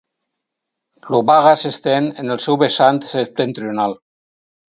L'Obaga s'estén en el seu vessant septentrional.